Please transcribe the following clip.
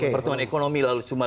pertemuan ekonomi cuma lima tujuh